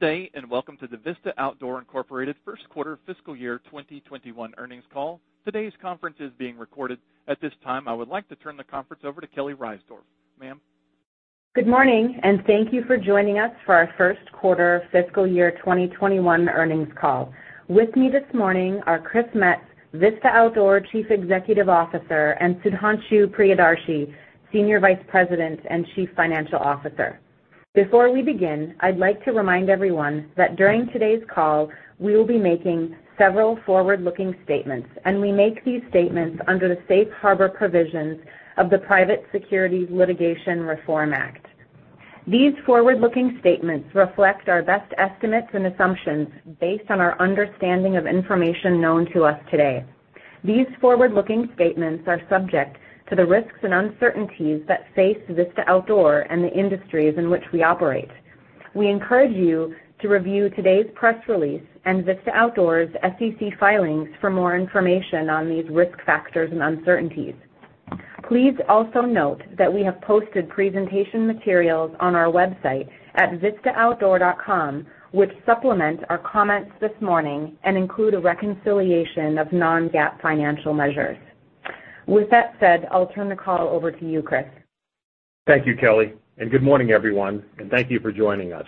Good day. Welcome to the Vista Outdoor Incorporated first quarter fiscal year 2021 earnings call. Today's conference is being recorded. At this time, I would like to turn the conference over to Kelly Reisdorf. Ma'am? Good morning, and thank you for joining us for our first quarter fiscal year 2021 earnings call. With me this morning are Chris Metz, Vista Outdoor Chief Executive Officer, and Sudhanshu Priyadarshi, Senior Vice President and Chief Financial Officer. Before we begin, I'd like to remind everyone that during today's call, we will be making several forward-looking statements, and we make these statements under the Safe Harbor provisions of the Private Securities Litigation Reform Act. These forward-looking statements reflect our best estimates and assumptions based on our understanding of information known to us today. These forward-looking statements are subject to the risks and uncertainties that face Vista Outdoor and the industries in which we operate. We encourage you to review today's press release and Vista Outdoor's SEC filings for more information on these risk factors and uncertainties. Please also note that we have posted presentation materials on our website at vistaoutdoor.com, which supplement our comments this morning and include a reconciliation of non-GAAP financial measures. With that said, I'll turn the call over to you, Chris. Thank you, Kelly, and good morning, everyone, and thank you for joining us.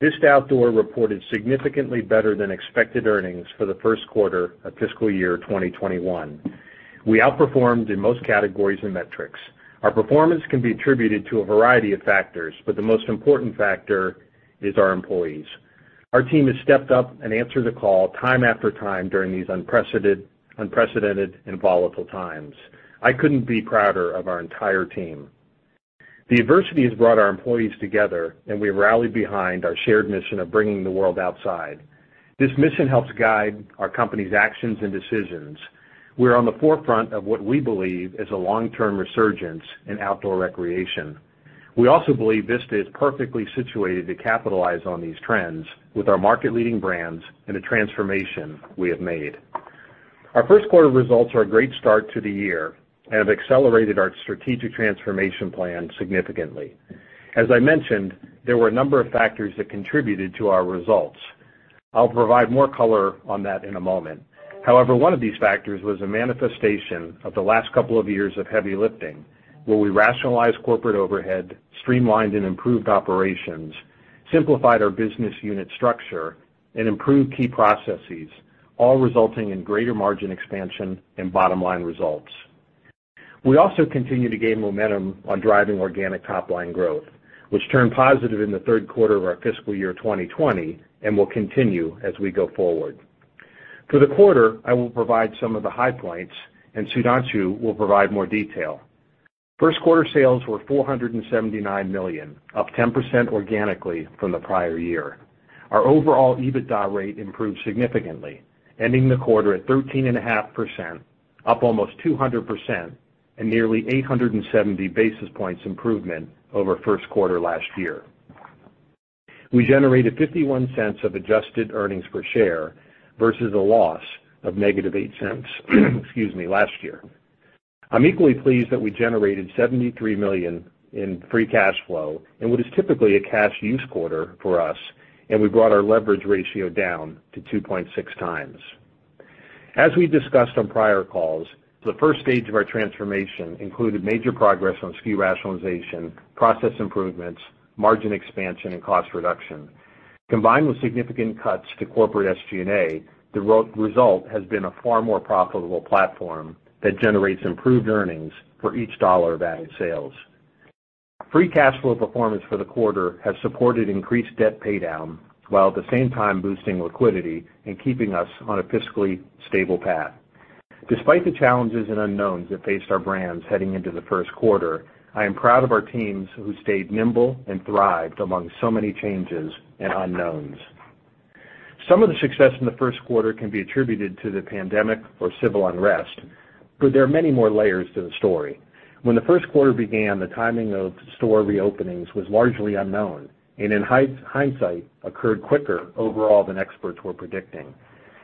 Vista Outdoor reported significantly better than expected earnings for the first quarter of fiscal year 2021. We outperformed in most categories and metrics. Our performance can be attributed to a variety of factors, but the most important factor is our employees. Our team has stepped up and answered the call time after time during these unprecedented and volatile times. I couldn't be prouder of our entire team. The adversity has brought our employees together and we've rallied behind our shared mission of bringing the world outside. This mission helps guide our company's actions and decisions. We're on the forefront of what we believe is a long-term resurgence in outdoor recreation. We also believe Vista is perfectly situated to capitalize on these trends with our market-leading brands and the transformation we have made. Our first quarter results are a great start to the year and have accelerated our strategic transformation plan significantly. As I mentioned, there were a number of factors that contributed to our results. I'll provide more color on that in a moment. One of these factors was a manifestation of the last couple of years of heavy lifting, where we rationalized corporate overhead, streamlined and improved operations, simplified our business unit structure, and improved key processes, all resulting in greater margin expansion and bottom-line results. We also continue to gain momentum on driving organic top-line growth, which turned positive in the third quarter of our fiscal year 2020 and will continue as we go forward. For the quarter, I will provide some of the high points, and Sudhanshu will provide more detail. First quarter sales were $479 million, up 10% organically from the prior year. Our overall EBITDA rate improved significantly, ending the quarter at 13.5%, up almost 200% and nearly 870 basis points improvement over first quarter last year. We generated $0.51 of adjusted earnings per share versus a loss of -$0.08, excuse me, last year. I'm equally pleased that we generated $73 million in free cash flow in what is typically a cash use quarter for us, and we brought our leverage ratio down to 2.6x. As we discussed on prior calls, the first stage of our transformation included major progress on SKU rationalization, process improvements, margin expansion, and cost reduction. Combined with significant cuts to corporate SG&A, the result has been a far more profitable platform that generates improved earnings for each dollar of added sales. Free cash flow performance for the quarter has supported increased debt paydown, while at the same time boosting liquidity and keeping us on a fiscally stable path. Despite the challenges and unknowns that faced our brands heading into the first quarter, I am proud of our teams who stayed nimble and thrived among so many changes and unknowns. Some of the success in the first quarter can be attributed to the pandemic or civil unrest, but there are many more layers to the story. When the first quarter began, the timing of store reopenings was largely unknown, and in hindsight, occurred quicker overall than experts were predicting.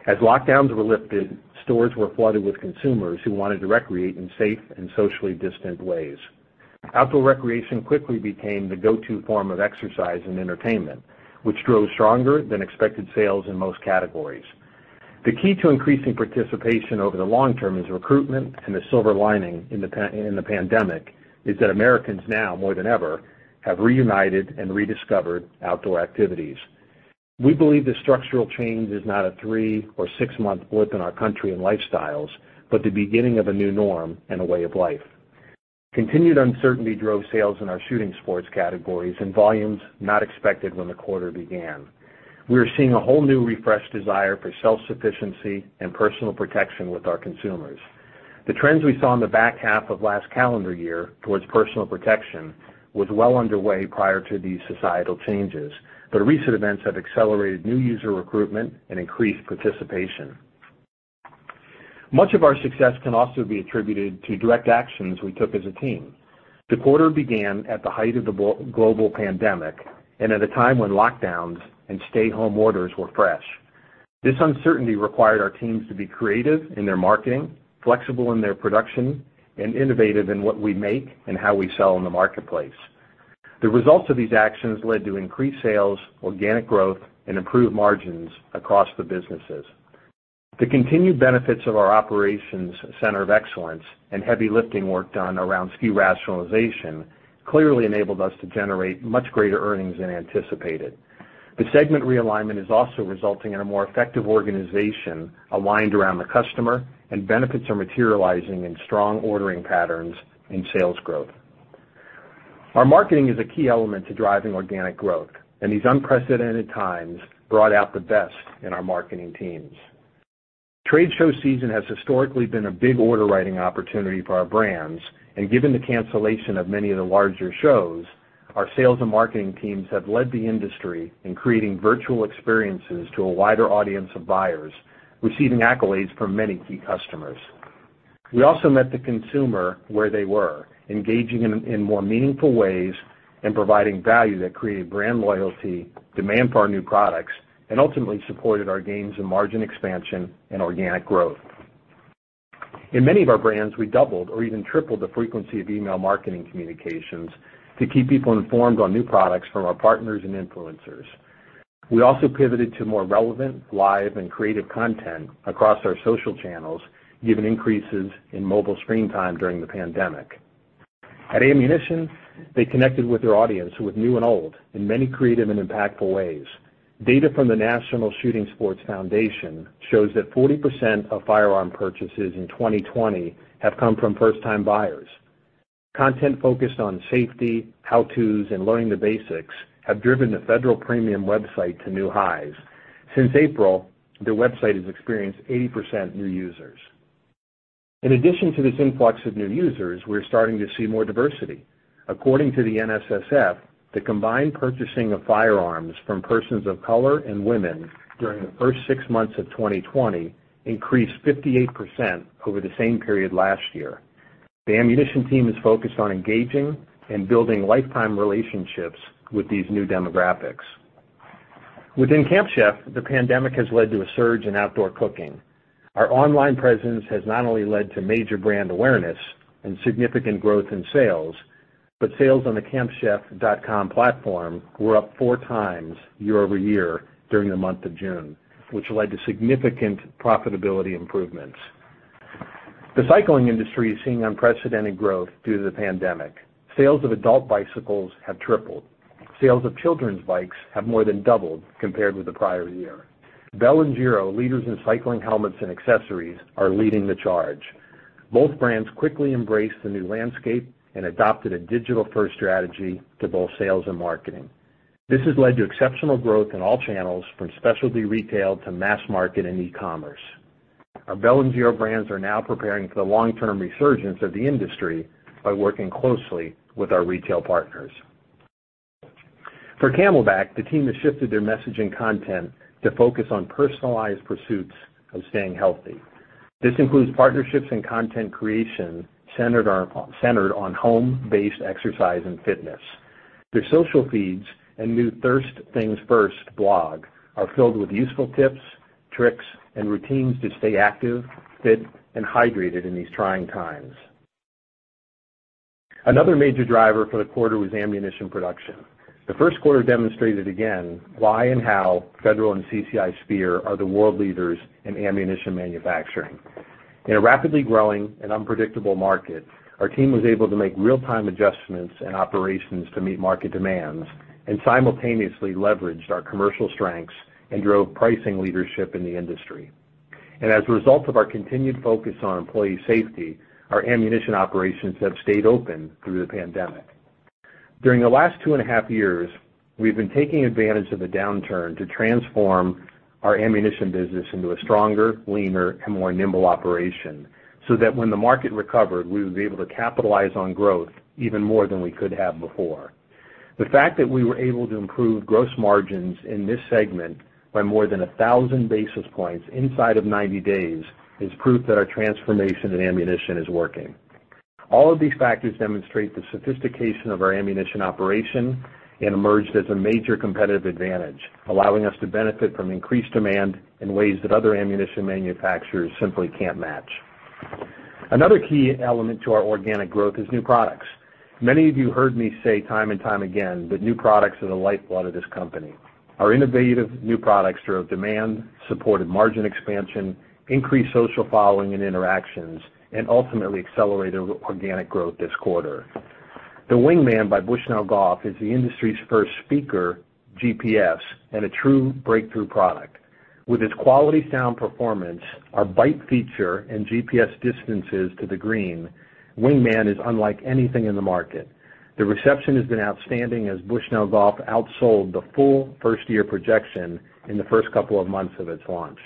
As lockdowns were lifted, stores were flooded with consumers who wanted to recreate in safe and socially distant ways. Outdoor recreation quickly became the go-to form of exercise and entertainment, which drove stronger-than-expected sales in most categories. The key to increasing participation over the long term is recruitment, and the silver lining in the pandemic is that Americans now, more than ever, have reunited and rediscovered outdoor activities. We believe this structural change is not a three or six-month blip in our country and lifestyles, but the beginning of a new norm and a way of life. Continued uncertainty drove sales in our shooting sports categories in volumes not expected when the quarter began. We are seeing a whole new refreshed desire for self-sufficiency and personal protection with our consumers. The trends we saw in the back half of last calendar year towards personal protection was well underway prior to these societal changes, but recent events have accelerated new user recruitment and increased participation. Much of our success can also be attributed to direct actions we took as a team. The quarter began at the height of the global pandemic and at a time when lockdowns and stay home orders were fresh. This uncertainty required our teams to be creative in their marketing, flexible in their production, and innovative in what we make and how we sell in the marketplace. The results of these actions led to increased sales, organic growth, and improved margins across the businesses. The continued benefits of our operations center of excellence and heavy lifting work done around SKU rationalization clearly enabled us to generate much greater earnings than anticipated. The segment realignment is also resulting in a more effective organization aligned around the customer. Benefits are materializing in strong ordering patterns and sales growth. Our marketing is a key element to driving organic growth. These unprecedented times brought out the best in our marketing teams. Trade show season has historically been a big order writing opportunity for our brands, and given the cancellation of many of the larger shows, our sales and marketing teams have led the industry in creating virtual experiences to a wider audience of buyers, receiving accolades from many key customers. We also met the consumer where they were, engaging in more meaningful ways and providing value that created brand loyalty, demand for our new products, and ultimately supported our gains in margin expansion and organic growth. In many of our brands, we doubled or even tripled the frequency of email marketing communications to keep people informed on new products from our partners and influencers. We also pivoted to more relevant, live, and creative content across our social channels, given increases in mobile screen time during the pandemic. At Ammunition, they connected with their audience, with new and old, in many creative and impactful ways. Data from the National Shooting Sports Foundation shows that 40% of firearm purchases in 2020 have come from first-time buyers. Content focused on safety, how-tos, and learning the basics have driven the Federal Premium website to new highs. Since April, their website has experienced 80% new users. In addition to this influx of new users, we're starting to see more diversity. According to the NSSF, the combined purchasing of firearms from persons of color and women during the first six months of 2020 increased 58% over the same period last year. The ammunition team is focused on engaging and building lifetime relationships with these new demographics. Within Camp Chef, the pandemic has led to a surge in outdoor cooking. Our online presence has not only led to major brand awareness and significant growth in sales, but sales on the campchef.com platform were up 4x year-over-year during the month of June, which led to significant profitability improvements. The cycling industry is seeing unprecedented growth due to the pandemic. Sales of adult bicycles have tripled. Sales of children's bikes have more than doubled compared with the prior year. Bell and Giro, leaders in cycling helmets and accessories, are leading the charge. Both brands quickly embraced the new landscape and adopted a digital-first strategy to both sales and marketing. This has led to exceptional growth in all channels, from specialty retail to mass market and e-commerce. Our Bell and Giro brands are now preparing for the long-term resurgence of the industry by working closely with our retail partners. For CamelBak, the team has shifted their message and content to focus on personalized pursuits of staying healthy. This includes partnerships and content creation centered on home-based exercise and fitness. Their social feeds and new Thirst Things First blog are filled with useful tips, tricks, and routines to stay active, fit, and hydrated in these trying times. Another major driver for the quarter was ammunition production. The first quarter demonstrated again why and how Federal and CCI Speer are the world leaders in ammunition manufacturing. In a rapidly growing and unpredictable market, our team was able to make real-time adjustments and operations to meet market demands, simultaneously leveraged our commercial strengths and drove pricing leadership in the industry. As a result of our continued focus on employee safety, our ammunition operations have stayed open through the pandemic. During the last two and a half years, we've been taking advantage of the downturn to transform our ammunition business into a stronger, leaner, and more nimble operation, so that when the market recovered, we would be able to capitalize on growth even more than we could have before. The fact that we were able to improve gross margins in this segment by more than 1,000 basis points inside of 90 days is proof that our transformation in ammunition is working. All of these factors demonstrate the sophistication of our ammunition operation and emerged as a major competitive advantage, allowing us to benefit from increased demand in ways that other ammunition manufacturers simply can't match. Another key element to our organic growth is new products. Many of you heard me say time and time again that new products are the lifeblood of this company. Our innovative new products drove demand, supported margin expansion, increased social following and interactions, and ultimately accelerated organic growth this quarter. The Wingman by Bushnell Golf is the industry's first speaker GPS, and a true breakthrough product. With its quality sound performance, our BITE feature, and GPS distances to the green, Wingman is unlike anything in the market. The reception has been outstanding as Bushnell Golf outsold the full first-year projection in the first couple of months of its launch.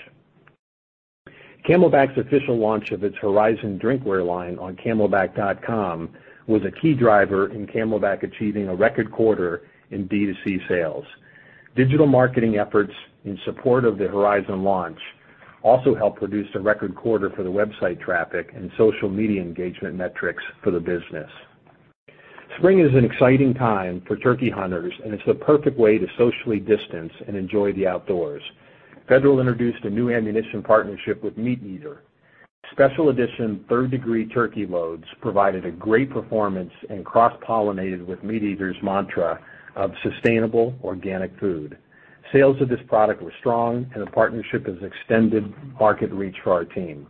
CamelBak's official launch of its Horizon drinkware line on camelbak.com was a key driver in CamelBak achieving a record quarter in D2C sales. Digital marketing efforts in support of the Horizon launch also helped produce a record quarter for the website traffic and social media engagement metrics for the business. Spring is an exciting time for turkey hunters, and it's the perfect way to socially distance and enjoy the outdoors. Federal introduced a new ammunition partnership with MeatEater. Special edition 3rd Degree Turkey Loads provided a great performance and cross-pollinated with MeatEater's mantra of sustainable organic food. Sales of this product were strong, and the partnership has extended market reach for our team.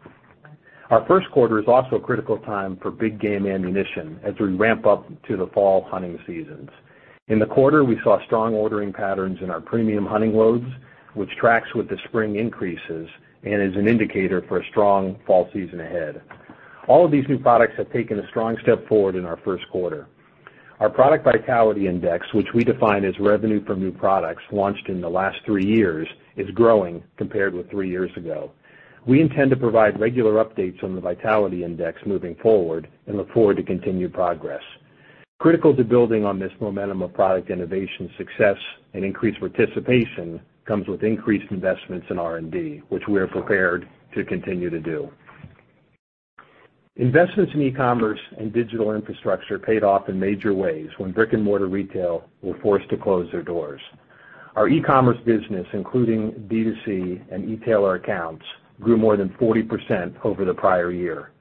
Our first quarter is also a critical time for big game ammunition as we ramp up to the fall hunting seasons. In the quarter, we saw strong ordering patterns in our premium hunting loads, which tracks with the spring increases and is an indicator for a strong fall season ahead. All of these new products have taken a strong step forward in our first quarter. Our product vitality index, which we define as revenue from new products launched in the last three years, is growing compared with three years ago. We intend to provide regular updates on the vitality index moving forward and look forward to continued progress. Critical to building on this momentum of product innovation success and increased participation comes with increased investments in R&D, which we are prepared to continue to do. Investments in e-commerce and digital infrastructure paid off in major ways when brick and mortar retail were forced to close their doors. Our e-commerce business, including D2C and e-tailer accounts, grew more than 40% over the prior year.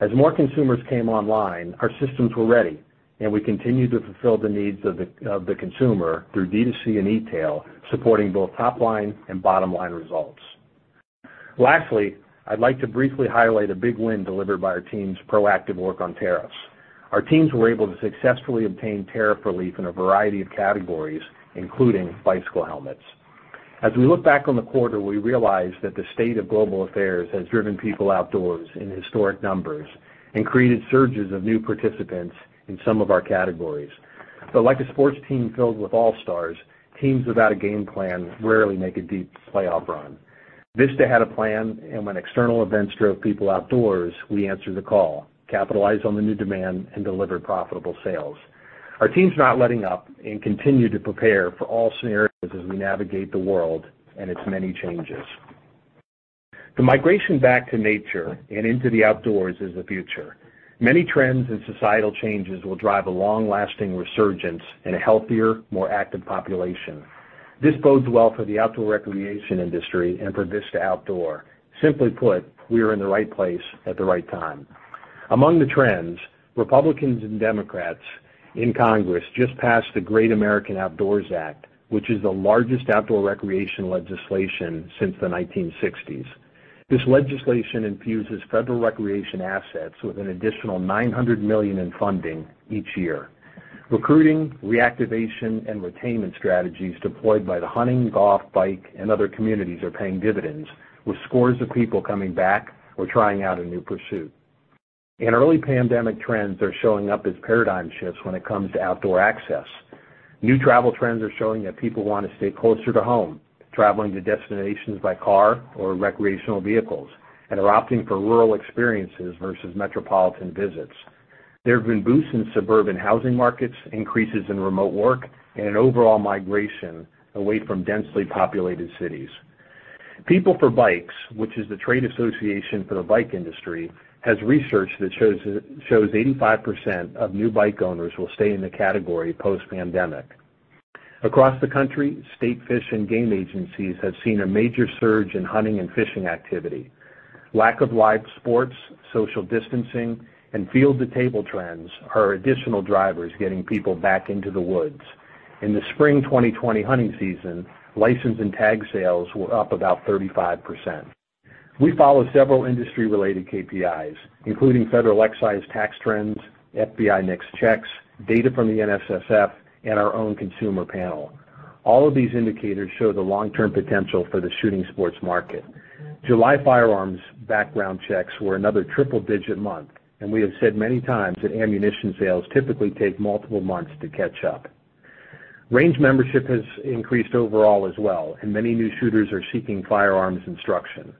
As more consumers came online, our systems were ready, and we continued to fulfill the needs of the consumer through D2C and e-tail, supporting both top line and bottom line results. Lastly, I'd like to briefly highlight a big win delivered by our team's proactive work on tariffs. Our teams were able to successfully obtain tariff relief in a variety of categories, including bicycle helmets. As we look back on the quarter, we realize that the state of global affairs has driven people outdoors in historic numbers and created surges of new participants in some of our categories. Like a sports team filled with all-stars, teams without a game plan rarely make a deep playoff run. Vista had a plan, when external events drove people outdoors, we answered the call, capitalized on the new demand, and delivered profitable sales. Our team's not letting up and continue to prepare for all scenarios as we navigate the world and its many changes. The migration back to nature and into the outdoors is the future. Many trends and societal changes will drive a long-lasting resurgence and a healthier, more active population. This bodes well for the outdoor recreation industry and for Vista Outdoor. Simply put, we are in the right place at the right time. Among the trends, Republicans and Democrats in Congress just passed the Great American Outdoors Act, which is the largest outdoor recreation legislation since the 1960s. This legislation infuses federal recreation assets with an additional $900 million in funding each year. Recruiting, reactivation, and retainment strategies deployed by the hunting, golf, bike, and other communities are paying dividends, with scores of people coming back or trying out a new pursuit. Early pandemic trends are showing up as paradigm shifts when it comes to outdoor access. New travel trends are showing that people want to stay closer to home, traveling to destinations by car or recreational vehicles, and are opting for rural experiences versus metropolitan visits. There have been boosts in suburban housing markets, increases in remote work, and an overall migration away from densely populated cities. PeopleForBikes, which is the trade association for the bike industry, has research that shows 85% of new bike owners will stay in the category post-pandemic. Across the country, state fish and game agencies have seen a major surge in hunting and fishing activity. Lack of live sports, social distancing, and field-to-table trends are additional drivers getting people back into the woods. In the spring 2020 hunting season, license and tag sales were up about 35%. We follow several industry-related KPIs, including federal excise tax trends, FBI NICS checks, data from the NSSF, and our own consumer panel. All of these indicators show the long-term potential for the shooting sports market. July firearms background checks were another triple-digit month, and we have said many times that ammunition sales typically take multiple months to catch up. Range membership has increased overall as well, and many new shooters are seeking firearms instruction.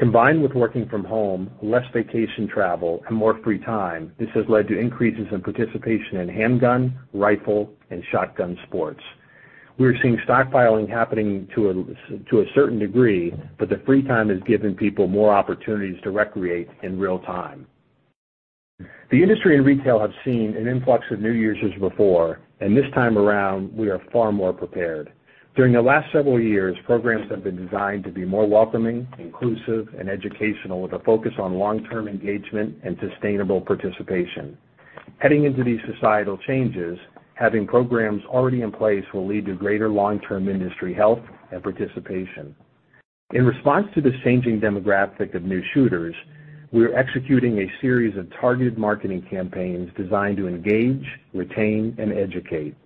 Combined with working from home, less vacation travel, and more free time, this has led to increases in participation in handgun, rifle, and shotgun sports. We are seeing stockpiling happening to a certain degree, but the free time has given people more opportunities to recreate in real time. The industry and retail have seen an influx of new users before, and this time around, we are far more prepared. During the last several years, programs have been designed to be more welcoming, inclusive, and educational, with a focus on long-term engagement and sustainable participation. Heading into these societal changes, having programs already in place will lead to greater long-term industry health and participation. In response to this changing demographic of new shooters, we're executing a series of targeted marketing campaigns designed to engage, retain, and educate.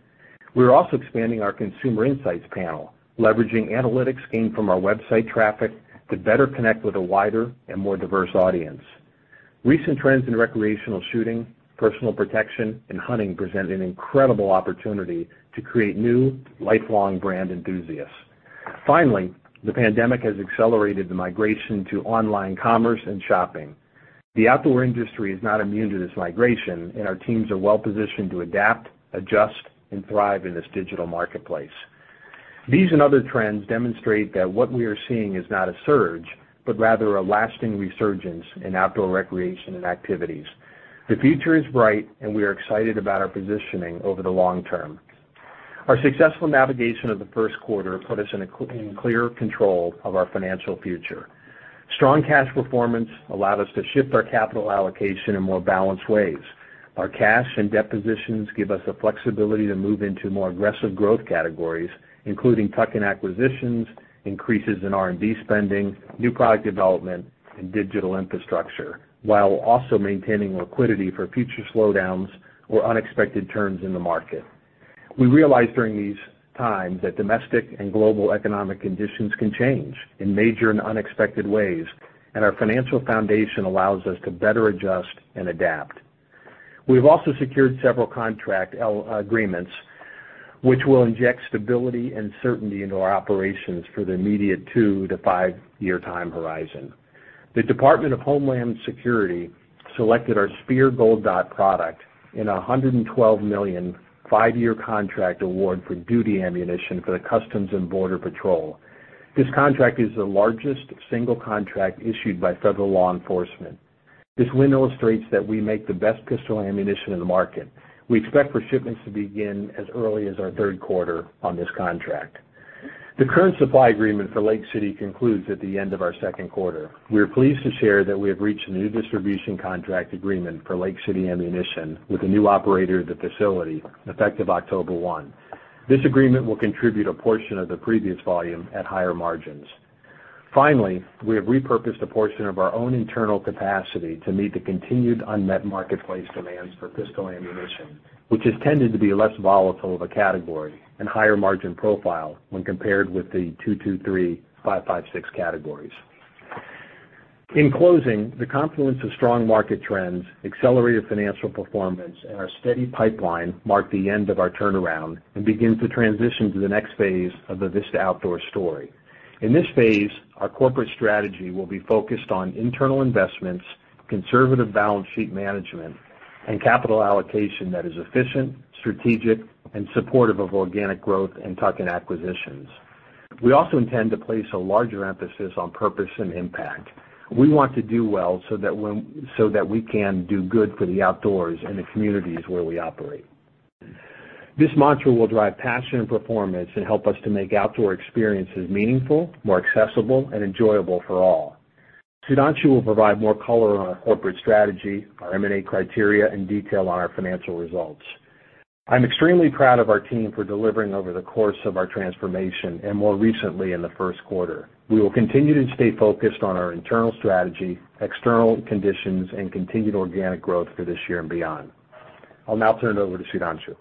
We're also expanding our consumer insights panel, leveraging analytics gained from our website traffic to better connect with a wider and more diverse audience. Recent trends in recreational shooting, personal protection, and hunting present an incredible opportunity to create new, lifelong brand enthusiasts. Finally, the pandemic has accelerated the migration to online commerce and shopping. The outdoor industry is not immune to this migration, and our teams are well positioned to adapt, adjust, and thrive in this digital marketplace. These and other trends demonstrate that what we are seeing is not a surge, but rather a lasting resurgence in outdoor recreation and activities. The future is bright, and we are excited about our positioning over the long term. Our successful navigation of the first quarter put us in clear control of our financial future. Strong cash performance allowed us to shift our capital allocation in more balanced ways. Our cash and debt positions give us the flexibility to move into more aggressive growth categories, including tuck-in acquisitions, increases in R&D spending, new product development, and digital infrastructure, while also maintaining liquidity for future slowdowns or unexpected turns in the market. We realized during these times that domestic and global economic conditions can change in major and unexpected ways, and our financial foundation allows us to better adjust and adapt. We've also secured several contract agreements which will inject stability and certainty into our operations for the immediate two to five-year time horizon. The Department of Homeland Security selected our Speer Gold Dot product in a $112 million five-year contract award for duty ammunition for the Customs and Border Patrol. This contract is the largest single contract issued by federal law enforcement. This win illustrates that we make the best pistol ammunition in the market. We expect for shipments to begin as early as our third quarter on this contract. The current supply agreement for Lake City concludes at the end of our second quarter. We are pleased to share that we have reached a new distribution contract agreement for Lake City Ammunition with a new operator of the facility effective October 1. This agreement will contribute a portion of the previous volume at higher margins. Finally, we have repurposed a portion of our own internal capacity to meet the continued unmet marketplace demands for pistol ammunition, which has tended to be less volatile of a category and higher margin profile when compared with the .223, 5.56 categories. In closing, the confluence of strong market trends, accelerated financial performance, and our steady pipeline mark the end of our turnaround and begin to transition to the next phase of the Vista Outdoor story. In this phase, our corporate strategy will be focused on internal investments, conservative balance sheet management, and capital allocation that is efficient, strategic, and supportive of organic growth and tuck-in acquisitions. We also intend to place a larger emphasis on purpose and impact. We want to do well so that we can do good for the outdoors and the communities where we operate. This mantra will drive passion and performance and help us to make outdoor experiences meaningful, more accessible, and enjoyable for all. Sudhanshu will provide more color on our corporate strategy, our M&A criteria, and detail on our financial results. I'm extremely proud of our team for delivering over the course of our transformation, and more recently in the first quarter. We will continue to stay focused on our internal strategy, external conditions, and continued organic growth for this year and beyond. I'll now turn it over to Sudhanshu.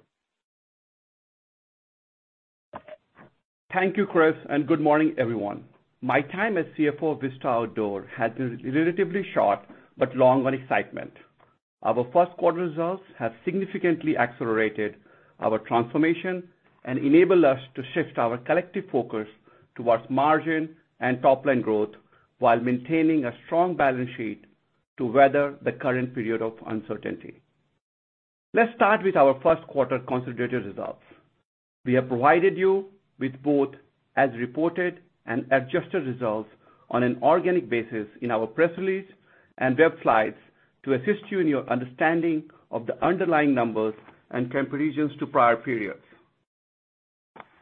Thank you, Chris, and good morning, everyone. My time as CFO of Vista Outdoor has been relatively short but long on excitement. Our first quarter results have significantly accelerated our transformation and enabled us to shift our collective focus towards margin and top-line growth while maintaining a strong balance sheet to weather the current period of uncertainty. Let's start with our first quarter consolidated results. We have provided you with both as reported and adjusted results on an organic basis in our press release and web slides to assist you in your understanding of the underlying numbers and comparisons to prior periods.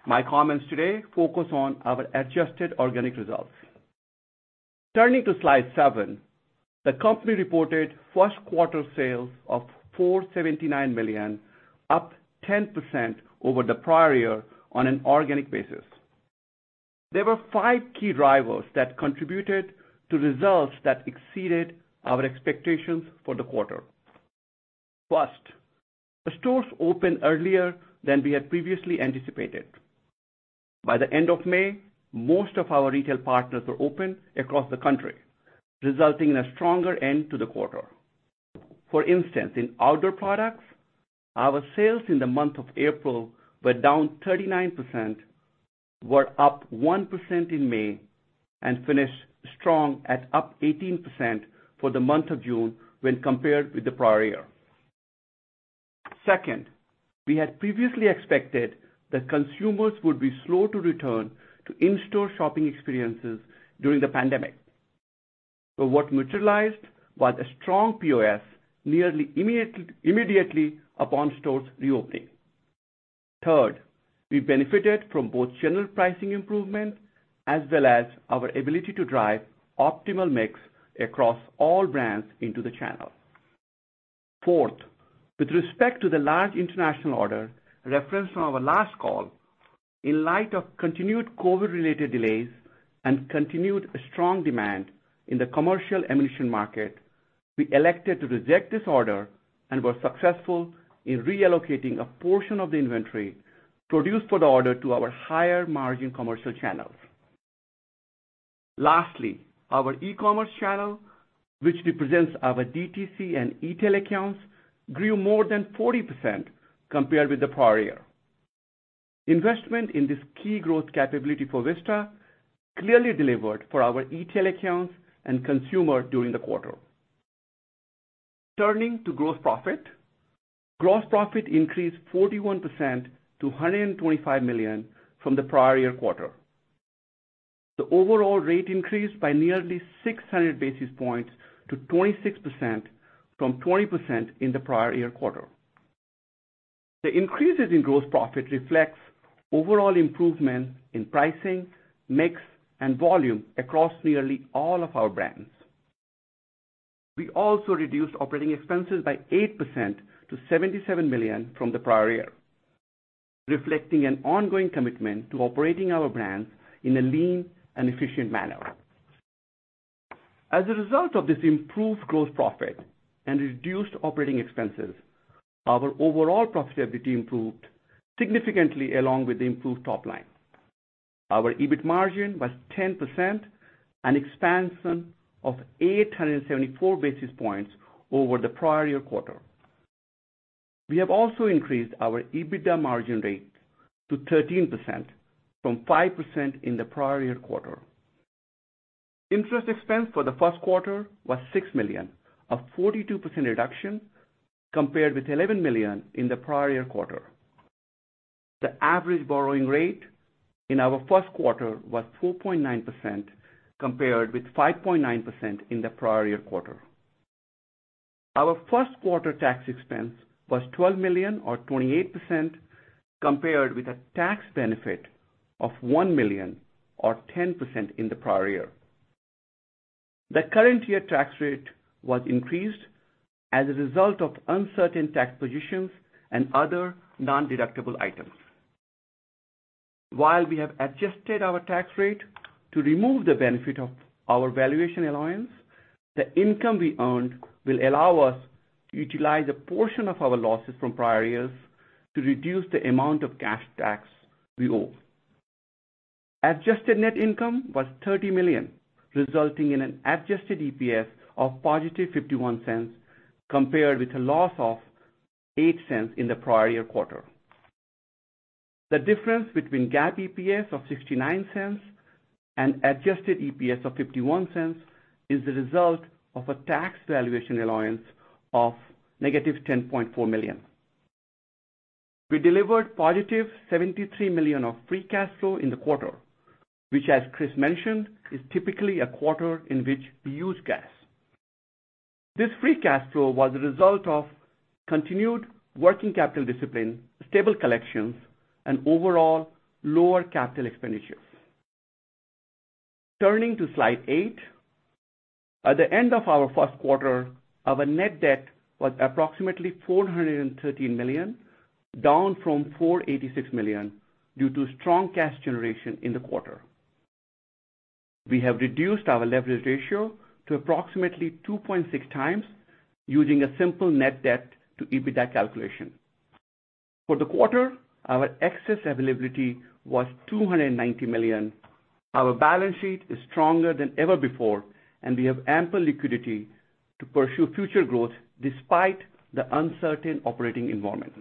My comments today focus on our adjusted organic results. Turning to slide seven, the company reported first quarter sales of $479 million, up 10% over the prior year on an organic basis. There were five key drivers that contributed to results that exceeded our expectations for the quarter. First, the stores opened earlier than we had previously anticipated. By the end of May, most of our retail partners were open across the country, resulting in a stronger end to the quarter. For instance, in outdoor products, our sales in the month of April were down 39%, were up 1% in May, and finished strong at up 18% for the month of June when compared with the prior year. Second, we had previously expected that consumers would be slow to return to in-store shopping experiences during the pandemic. What materialized was a strong POS nearly immediately upon stores reopening. Third, we benefited from both general pricing improvement as well as our ability to drive optimal mix across all brands into the channel. Fourth, with respect to the large international order referenced on our last call, in light of continued COVID-related delays and continued strong demand in the commercial ammunition market, we elected to reject this order and were successful in reallocating a portion of the inventory produced for the order to our higher margin commercial channels. Lastly, our e-commerce channel, which represents our DTC and e-tail accounts, grew more than 40% compared with the prior year. Investment in this key growth capability for Vista clearly delivered for our e-tail accounts and consumer during the quarter. Turning to gross profit. Gross profit increased 41% to $125 million from the prior year quarter. The overall rate increased by nearly 600 basis points to 26% from 20% in the prior year quarter. The increases in gross profit reflects overall improvement in pricing, mix, and volume across nearly all of our brands. We also reduced operating expenses by 8% to $77 million from the prior year, reflecting an ongoing commitment to operating our brands in a lean and efficient manner. As a result of this improved gross profit and reduced operating expenses, our overall profitability improved significantly along with the improved top line. Our EBIT margin was 10%, an expansion of 874 basis points over the prior year quarter. We have also increased our EBITDA margin rate to 13% from 5% in the prior year quarter. Interest expense for the first quarter was $6 million, a 42% reduction compared with $11 million in the prior year quarter. The average borrowing rate in our first quarter was 4.9%, compared with 5.9% in the prior year quarter. Our first quarter tax expense was $12 million, or 28%, compared with a tax benefit of $1 million, or 10% in the prior year. The current year tax rate was increased as a result of uncertain tax positions and other non-deductible items. While we have adjusted our tax rate to remove the benefit of our valuation allowance, the income we earned will allow us to utilize a portion of our losses from prior years to reduce the amount of cash tax we owe. Adjusted net income was $30 million, resulting in an adjusted EPS of +$0.51, compared with a loss of $0.08 in the prior year quarter. The difference between GAAP EPS of $0.69 and adjusted EPS of $0.51 is the result of a tax valuation allowance of -$10.4 million. We delivered +$73 million of free cash flow in the quarter, which, as Chris mentioned, is typically a quarter in which we use cash. This free cash flow was a result of continued working capital discipline, stable collections, and overall lower capital expenditures. Turning to slide eight. At the end of our first quarter, our net debt was approximately $413 million, down from $486 million due to strong cash generation in the quarter. We have reduced our leverage ratio to approximately 2.6x using a simple net debt to EBITDA calculation. For the quarter, our excess availability was $290 million. Our balance sheet is stronger than ever before, and we have ample liquidity to pursue future growth despite the uncertain operating environment.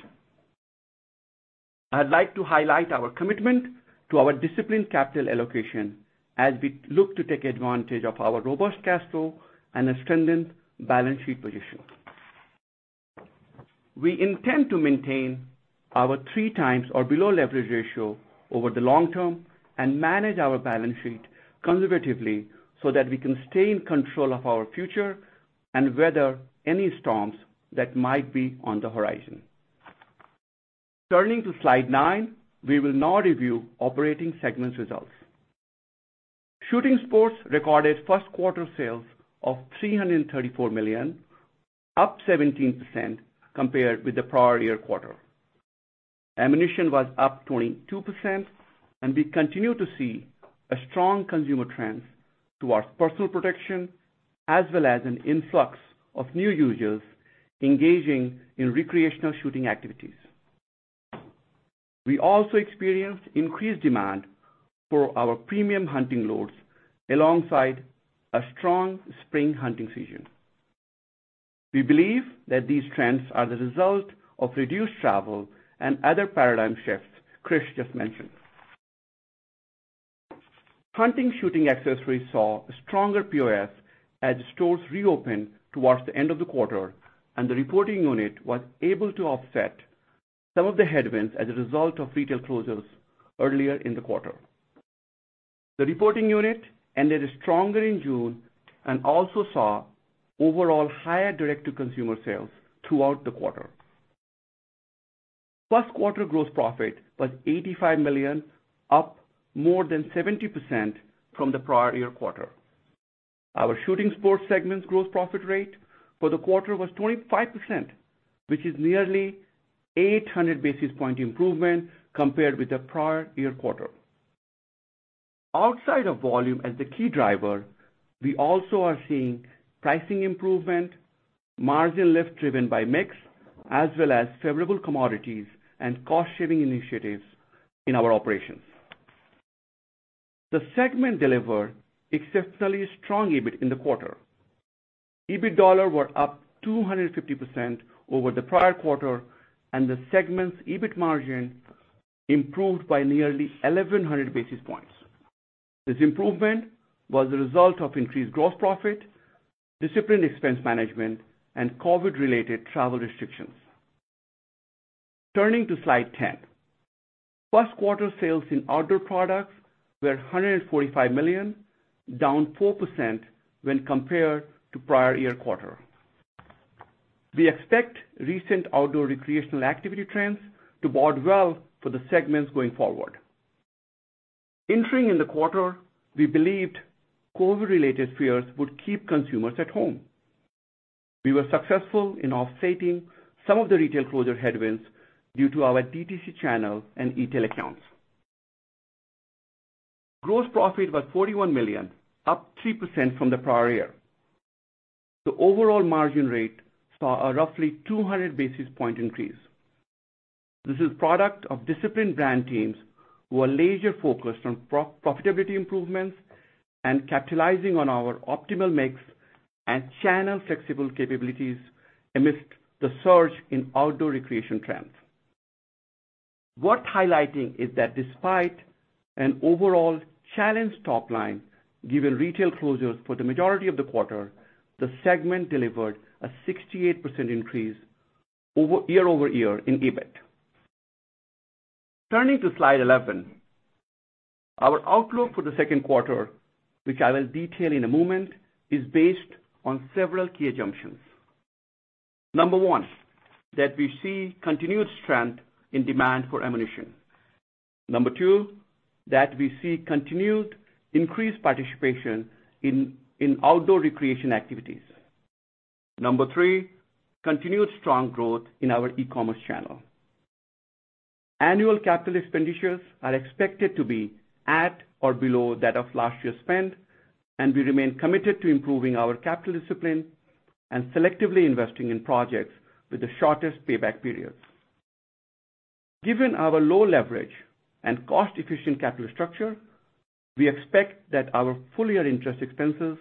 I'd like to highlight our commitment to our disciplined capital allocation as we look to take advantage of our robust cash flow and a strengthened balance sheet position. We intend to maintain our 3x or below leverage ratio over the long term and manage our balance sheet conservatively so that we can stay in control of our future and weather any storms that might be on the horizon. Turning to slide nine, we will now review operating segments results. Shooting Sports recorded first quarter sales of $334 million, up 17% compared with the prior year quarter. Ammunition was up 22%. We continue to see a strong consumer trend towards personal protection, as well as an influx of new users engaging in recreational shooting activities. We also experienced increased demand for our premium hunting loads alongside a strong spring hunting season. We believe that these trends are the result of reduced travel and other paradigm shifts Chris just mentioned. Hunting shooting accessories saw a stronger POS as stores reopened towards the end of the quarter. The reporting unit was able to offset some of the headwinds as a result of retail closures earlier in the quarter. The reporting unit ended stronger in June and also saw overall higher direct-to-consumer sales throughout the quarter. First quarter gross profit was $85 million, up more than 70% from the prior-year quarter. Our shooting sports segment gross profit rate for the quarter was 25%, which is nearly 800 basis point improvement compared with the prior year quarter. Outside of volume as the key driver, we also are seeing pricing improvement, margin lift driven by mix, as well as favorable commodities and cost-saving initiatives in our operations. The segment delivered exceptionally strong EBIT in the quarter. EBIT dollar were up 250% over the prior quarter, and the segment's EBIT margin improved by nearly 1,100 basis points. This improvement was a result of increased gross profit, disciplined expense management, and COVID-related travel restrictions. Turning to slide 10. First quarter sales in outdoor products were $145 million, down 4% when compared to prior year quarter. We expect recent outdoor recreational activity trends to bode well for the segments going forward. Entering in the quarter, we believed COVID-related fears would keep consumers at home. We were successful in offsetting some of the retail closure headwinds due to our DTC channel and e-tail accounts. Gross profit was $41 million, up 3% from the prior year. The overall margin rate saw a roughly 200 basis point increase. This is product of disciplined brand teams who are laser-focused on profitability improvements and capitalizing on our optimal mix and channel flexible capabilities amidst the surge in outdoor recreation trends. Worth highlighting is that despite an overall challenged top line, given retail closures for the majority of the quarter, the segment delivered a 68% increase year-over-year in EBIT. Turning to slide 11. Our outlook for the second quarter, which I will detail in a moment, is based on several key assumptions. Number one, that we see continued strength in demand for ammunition. Number two, that we see continued increased participation in outdoor recreation activities. Number three, continued strong growth in our e-commerce channel. Annual capital expenditures are expected to be at or below that of last year's spend, and we remain committed to improving our capital discipline and selectively investing in projects with the shortest payback periods. Given our low leverage and cost-efficient capital structure, we expect that our full-year interest expenses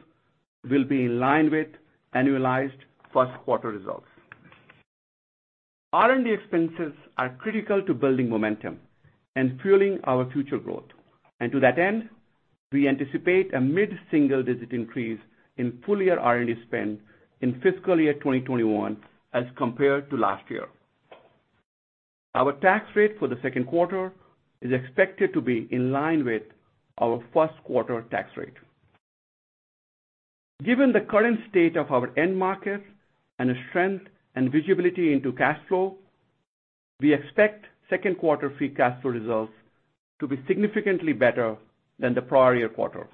will be in line with annualized first quarter results. R&D expenses are critical to building momentum and fueling our future growth. To that end, we anticipate a mid-single digit increase in full-year R&D spend in fiscal year 2021 as compared to last year. Our tax rate for the second quarter is expected to be in line with our first quarter tax rate. Given the current state of our end markets and the strength and visibility into cash flow, we expect second quarter free cash flow results to be significantly better than the prior year quarter.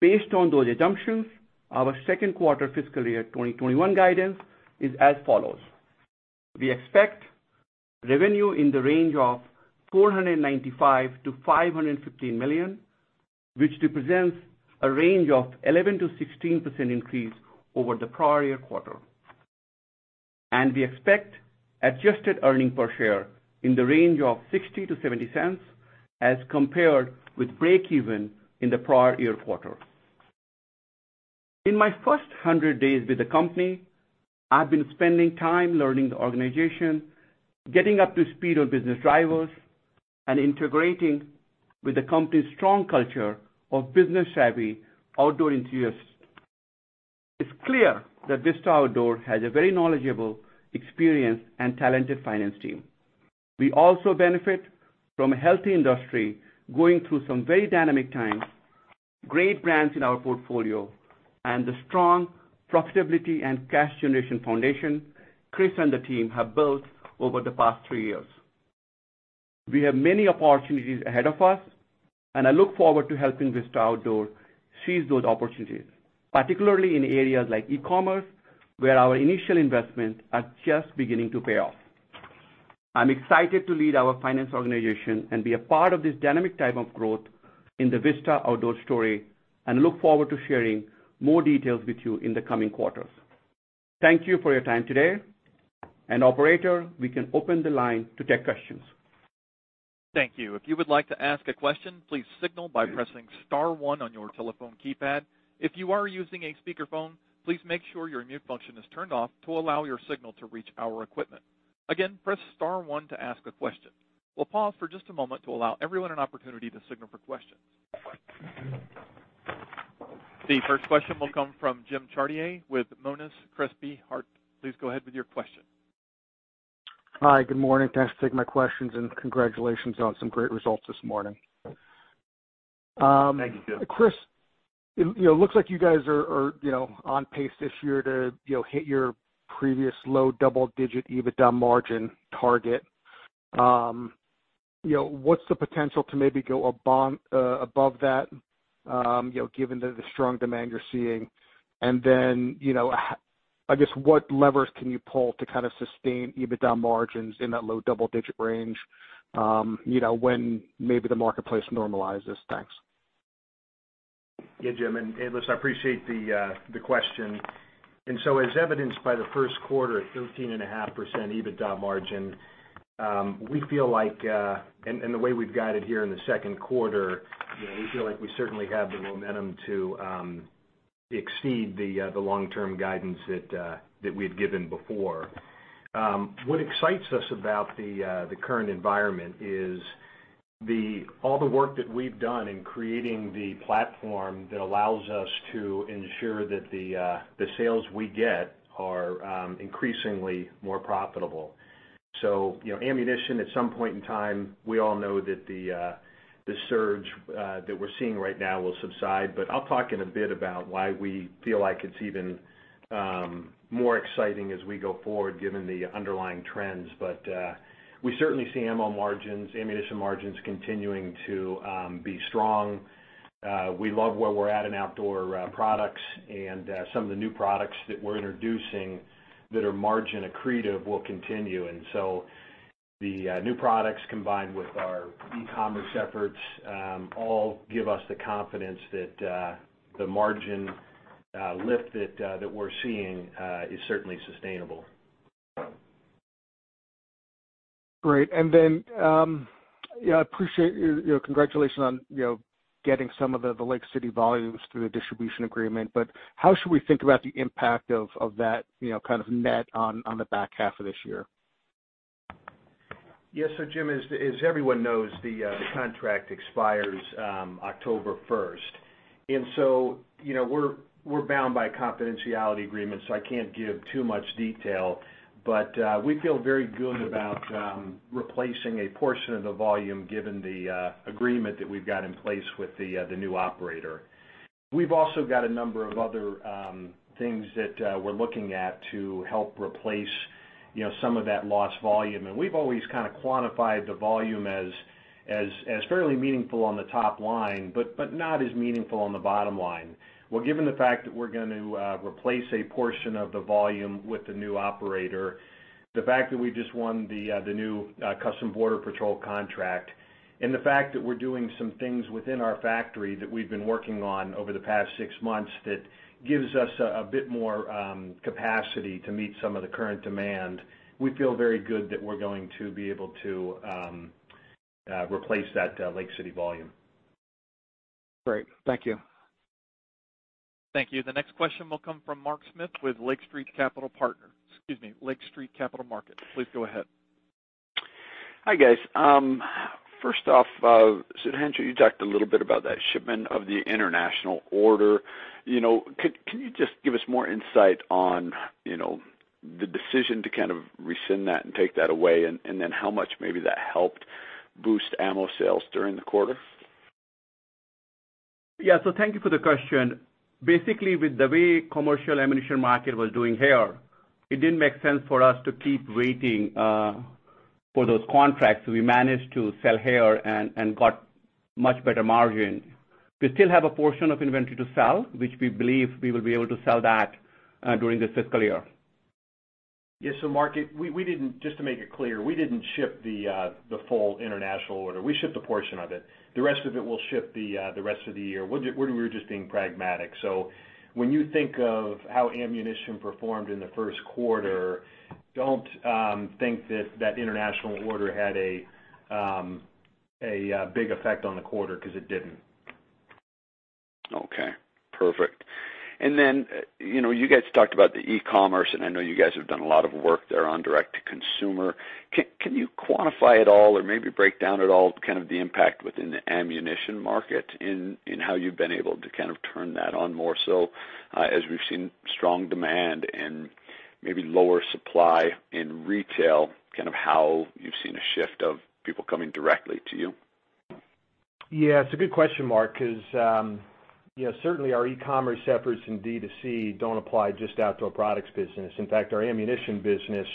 Based on those assumptions, our second quarter fiscal year 2021 guidance is as follows. We expect revenue in the range of $495 million-$515 million, which represents a range of 11%-16% increase over the prior year quarter. We expect adjusted earnings per share in the range of $0.60-$0.70 as compared with breakeven in the prior year quarter. In my first 100 days with the company, I've been spending time learning the organization, getting up to speed on business drivers, and integrating with the company's strong culture of business-savvy outdoor enthusiasts. It's clear that Vista Outdoor has a very knowledgeable, experienced, and talented finance team. We also benefit from a healthy industry going through some very dynamic times, great brands in our portfolio, and the strong profitability and cash generation foundation Chris and the team have built over the past three years. We have many opportunities ahead of us, and I look forward to helping Vista Outdoor seize those opportunities, particularly in areas like e-commerce, where our initial investments are just beginning to pay off. I'm excited to lead our finance organization and be a part of this dynamic type of growth in the Vista Outdoor story and look forward to sharing more details with you in the coming quarters. Thank you for your time today. Operator, we can open the line to take questions. Thank you. If you would like to ask a question, please signal by pressing star one on your telephone keypad. If you are using a speakerphone, please make sure your mute function is turned off to allow your signal to reach our equipment. Again, press star one to ask a question. We'll pause for just a moment to allow everyone an opportunity to signal for questions. The first question will come from Jim Chartier with Monness, Crespi, Hardt. Please go ahead with your question. Hi, good morning. Thanks for taking my questions. Congratulations on some great results this morning. Thank you, Jim. Chris, it looks like you guys are on pace this year to hit your previous low double-digit EBITDA margin target. What's the potential to maybe go above that given the strong demand you're seeing? I guess what levers can you pull to kind of sustain EBITDA margins in that low double-digit range when maybe the marketplace normalizes? Thanks. Yeah, Jim, listen, I appreciate the question. As evidenced by the first quarter at 13.5% EBITDA margin, and the way we've guided here in the second quarter, we feel like we certainly have the momentum to exceed the long-term guidance that we had given before. What excites us about the current environment is all the work that we've done in creating the platform that allows us to ensure that the sales we get are increasingly more profitable. Ammunition, at some point in time, we all know that the surge that we're seeing right now will subside, I'll talk in a bit about why we feel like it's even more exciting as we go forward, given the underlying trends. We certainly see ammo margins, ammunition margins continuing to be strong. We love where we're at in outdoor products and some of the new products that we're introducing that are margin accretive will continue. The new products combined with our e-commerce efforts, all give us the confidence that the margin lift that we're seeing is certainly sustainable. Great. Congratulations on getting some of the Lake City volumes through the distribution agreement. How should we think about the impact of that, kind of net on the back half of this year? Yes. Jim, as everyone knows, the contract expires October 1st. We're bound by a confidentiality agreement, so I can't give too much detail. We feel very good about replacing a portion of the volume given the agreement that we've got in place with the new operator. We've also got a number of other things that we're looking at to help replace some of that lost volume. We've always kind of quantified the volume as fairly meaningful on the top line, but not as meaningful on the bottom line. Given the fact that we're going to replace a portion of the volume with the new operator, the fact that we just won the new Customs and Border Protection contract, and the fact that we're doing some things within our factory that we've been working on over the past six months, that gives us a bit more capacity to meet some of the current demand. We feel very good that we're going to be able to replace that Lake City volume. Great. Thank you. Thank you. The next question will come from Mark Smith with Lake Street Capital Markets. Excuse me, Lake Street Capital Markets. Please go ahead. Hi, guys. First off, Sudhanshu, you talked a little bit about that shipment of the international order. Can you just give us more insight on the decision to kind of rescind that and take that away, and then how much maybe that helped boost ammo sales during the quarter? Yeah. Thank you for the question. Basically, with the way commercial ammunition market was doing here, it didn't make sense for us to keep waiting for those contracts. We managed to sell here and got much better margin. We still have a portion of inventory to sell, which we believe we will be able to sell that during this fiscal year. Yeah. Mark, just to make it clear, we didn't ship the full international order. We shipped a portion of it. The rest of it will ship the rest of the year. We were just being pragmatic. When you think of how ammunition performed in the first quarter, don't think that that international order had a big effect on the quarter because it didn't. Okay. Perfect. You guys talked about the e-commerce, and I know you guys have done a lot of work there on direct-to-consumer. Can you quantify at all, or maybe break down at all, kind of the impact within the ammunition market in how you've been able to kind of turn that on more so, as we've seen strong demand and maybe lower supply in retail, kind of how you've seen a shift of people coming directly to you? Yeah. It's a good question, Mark, because certainly our e-commerce efforts in D2C don't apply just to outdoor products business. Our ammunition business,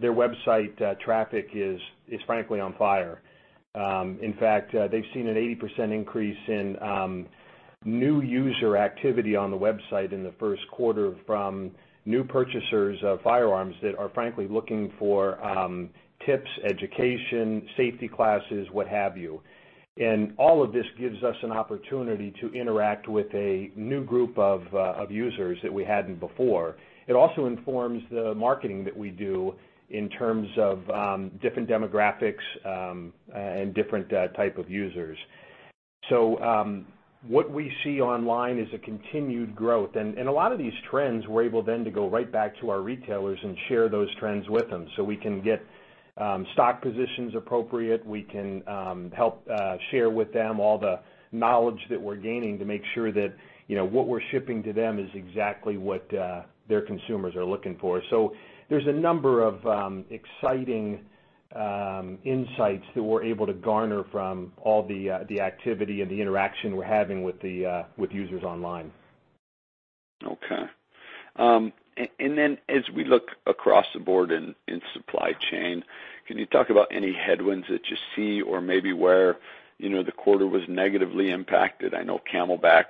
their website traffic is frankly on fire. They've seen an 80% increase in new user activity on the website in the first quarter from new purchasers of firearms that are frankly looking for tips, education, safety classes, what have you. All of this gives us an opportunity to interact with a new group of users that we hadn't before. It also informs the marketing that we do in terms of different demographics, and different type of users. What we see online is a continued growth. A lot of these trends, we're able then to go right back to our retailers and share those trends with them so we can get stock positions appropriate. We can help share with them all the knowledge that we're gaining to make sure that what we're shipping to them is exactly what their consumers are looking for. There's a number of exciting insights that we're able to garner from all the activity and the interaction we're having with users online. Okay. As we look across the board in supply chain, can you talk about any headwinds that you see or maybe where the quarter was negatively impacted? I know CamelBak,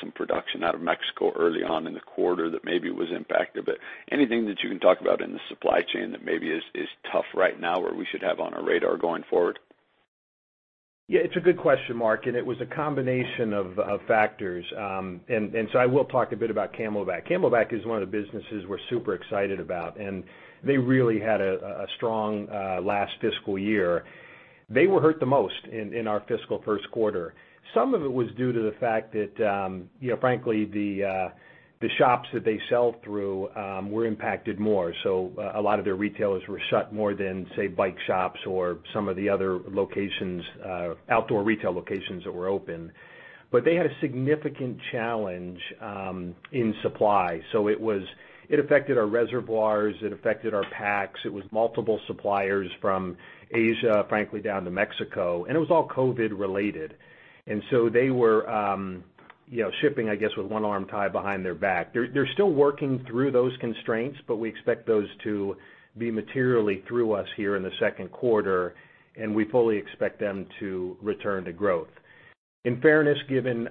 some production out of Mexico early on in the quarter that maybe was impacted, but anything that you can talk about in the supply chain that maybe is tough right now or we should have on our radar going forward? Yeah, it's a good question, Mark. It was a combination of factors. I will talk a bit about CamelBak. CamelBak is one of the businesses we're super excited about, and they really had a strong last fiscal year. They were hurt the most in our fiscal first quarter. Some of it was due to the fact that, frankly, the shops that they sell through were impacted more. A lot of their retailers were shut more than, say, bike shops or some of the other outdoor retail locations that were open. They had a significant challenge in supply. It affected our reservoirs, it affected our packs, it was multiple suppliers from Asia, frankly, down to Mexico, and it was all COVID related. They were shipping, I guess, with one arm tied behind their back. They're still working through those constraints. We expect those to be materially through us here in the second quarter, and we fully expect them to return to growth. In fairness, given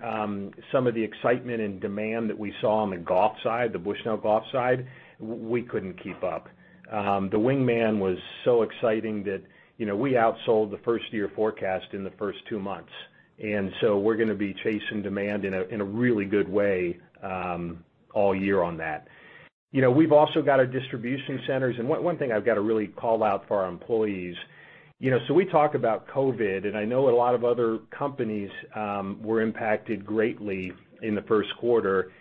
some of the excitement and demand that we saw on the golf side, the Bushnell Golf side, we couldn't keep up. The Wingman was so exciting that we outsold the first-year forecast in the first two months. We're going to be chasing demand in a really good way all year on that. We've also got our distribution centers, and one thing I've got to really call out for our employees, so we talk about COVID, and I know a lot of other companies were impacted greatly in the first quarter,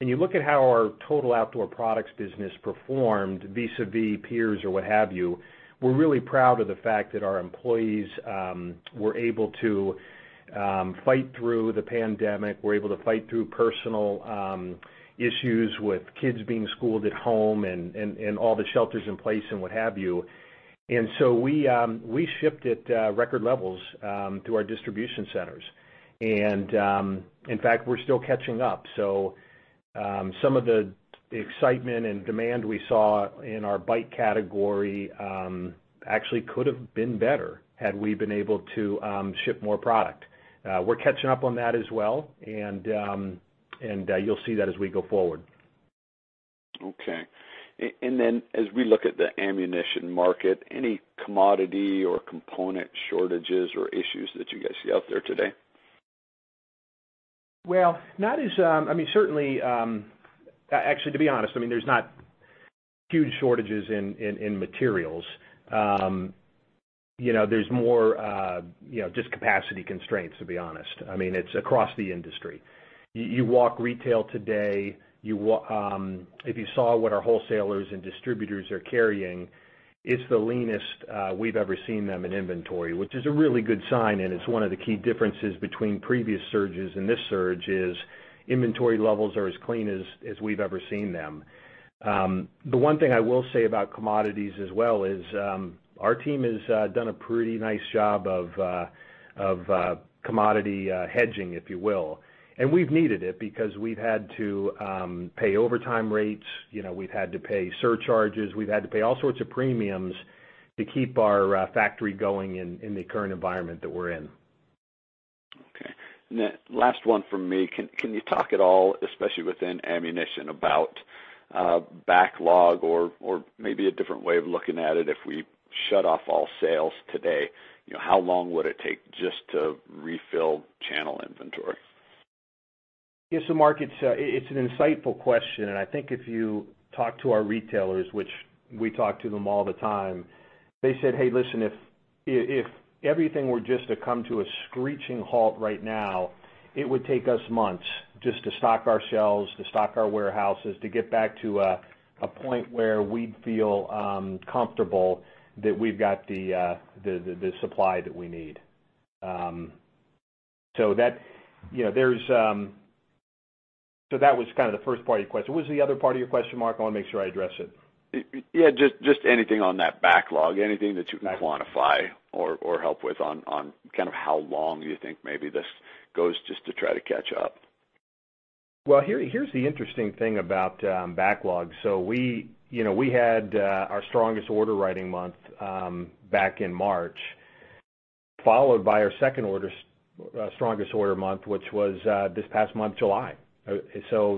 and you look at how our total outdoor products business performed vis-a-vis peers or what have you, we're really proud of the fact that our employees were able to fight through the pandemic, were able to fight through personal issues with kids being schooled at home and all the shelters in place and what have you. We shipped at record levels through our distribution centers. In fact, we're still catching up. Some of the excitement and demand we saw in our bike category actually could have been better had we been able to ship more product. We're catching up on that as well. You'll see that as we go forward. Okay. As we look at the ammunition market, any commodity or component shortages or issues that you guys see out there today? Well, actually, to be honest, there's not huge shortages in materials. There's more just capacity constraints, to be honest. It's across the industry. You walk retail today, if you saw what our wholesalers and distributors are carrying, it's the leanest we've ever seen them in inventory, which is a really good sign, it's one of the key differences between previous surges and this surge is inventory levels are as clean as we've ever seen them. The one thing I will say about commodities as well is our team has done a pretty nice job of commodity hedging, if you will. We've needed it because we've had to pay overtime rates, we've had to pay surcharges, we've had to pay all sorts of premiums to keep our factory going in the current environment that we're in. Okay. Last one from me. Can you talk at all, especially within ammunition, about backlog or maybe a different way of looking at it, if we shut off all sales today, how long would it take just to refill channel inventory? Yes, Mark, it's an insightful question, and I think if you talk to our retailers, which we talk to them all the time, they said, "Hey, listen, if everything were just to come to a screeching halt right now, it would take us months just to stock our shelves, to stock our warehouses, to get back to a point where we'd feel comfortable that we've got the supply that we need." That was kind of the first part of your question. What was the other part of your question, Mark? I want to make sure I address it. Yeah, just anything on that backlog, anything that you can quantify or help with on kind of how long you think maybe this goes just to try to catch up? Well, here's the interesting thing about backlog. We had our strongest order writing month back in March, followed by our second strongest order month, which was this past month, July.